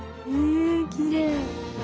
えきれい。